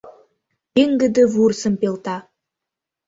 пеҥгыде вурсым пелта.